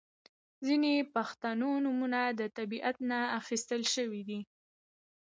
• ځینې پښتو نومونه د طبیعت نه اخستل شوي دي.